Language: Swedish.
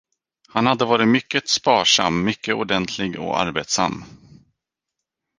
Han hade varit mycket sparsam, mycket ordentlig och arbetsam.